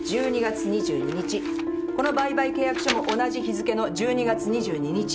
この売買契約書も同じ日付の１２月２２日。